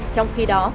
trong khi đó